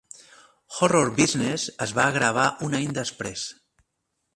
"Horror Business" es va gravar un any després.